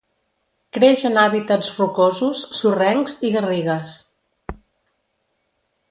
Creix en hàbitats rocosos, sorrencs i garrigues.